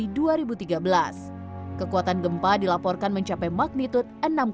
pada dua juli dua ribu tiga belas kekuatan gempa dilaporkan mencapai magnitud enam satu